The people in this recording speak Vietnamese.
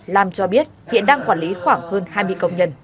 lam cho biết hiện đang quản lý khoảng hơn hai mươi công nhân